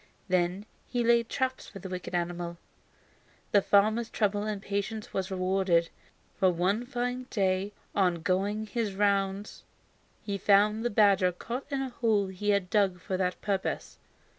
Then he laid traps for the wicked animal. The farmer's trouble and patience was rewarded, for one fine day on going his rounds he found the badger caught in a hole he had dug for that purpose.